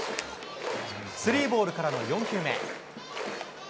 スリーボールからの４球目。